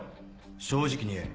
正直に言え。